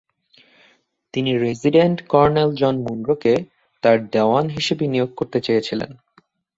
তিনি resident colonel John মুনরোকে তাঁর দেওয়ান হিসেবে নিয়োগ করতে চেয়েছিলেন।